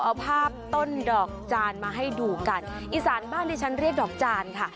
เอาภาพต้นดอกจานมาให้ดูกันอีสานบ้านที่ฉันเรียกดอกจานค่ะ